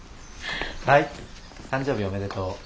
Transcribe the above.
はい誕生日おめでとう。